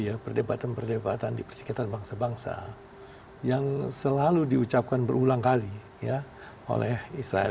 ya perdebatan perdebatan di persikitan bangsa bangsa yang selalu diucapkan berulang kali ya oleh israel